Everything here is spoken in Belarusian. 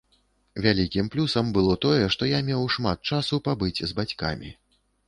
Вялікім плюсам было тое, што я меў шмат часу пабыць з бацькамі.